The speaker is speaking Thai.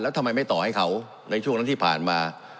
แล้วทำไมไม่ต่อให้เขาในช่วงนั้นที่ผ่านมา